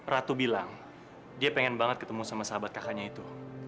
ratu bilang dia pengen banget ketemu sama sahabat kakaknya itu